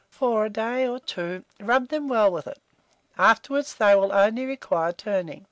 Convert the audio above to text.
For a day or two rub them well with it; afterwards they will only require turning.